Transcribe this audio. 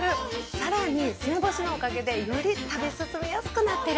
更に梅干しのおかげでより食べ進めやすくなってる。